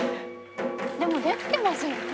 でもできてますよね。